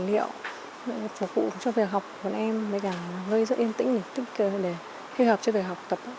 thư viện có rất nhiều tài liệu để phục vụ cho việc học của em với cả gây rất yên tĩnh tích cờ để khi học cho việc học tập